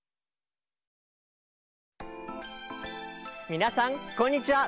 みなさんこんにちは！